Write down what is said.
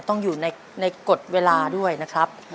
ต้องอยู่ในกฎเวลาด้วยนะครับ